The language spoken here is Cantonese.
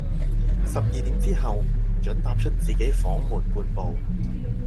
十二點之後，唔准踏出自己房門半步